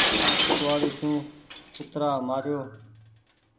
ڪوُوآڙي سون ڪترآ مآريو ۔